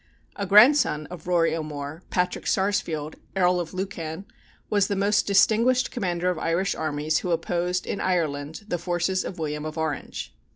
A grandson of Rory O'More, Patrick Sarsfield, Earl of Lucan, was the most distinguished commander of Irish armies who opposed, in Ireland, the forces of William of Orange.